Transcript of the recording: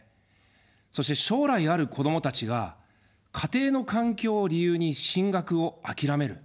そして将来ある子どもたちが、家庭の環境を理由に進学を諦める。